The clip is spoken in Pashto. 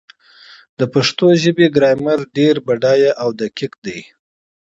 د پښتو ژبې ګرامر ډېر بډایه او دقیق دی.